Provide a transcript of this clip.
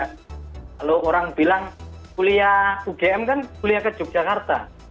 kalau orang bilang kuliah ugm kan kuliah ke yogyakarta